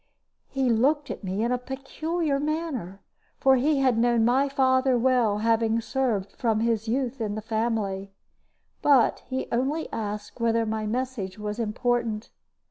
He looked at me in a peculiar manner, for he had known my father well, having served from his youth in the family; but he only asked whether my message was important.